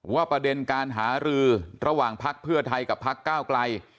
ประเด็นการหารือระหว่างพักเพื่อไทยกับพักก้าวไกล